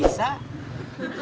ini sudah fall